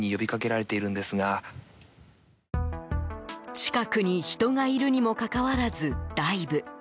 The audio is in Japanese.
近くに人がいるにもかかわらずダイブ。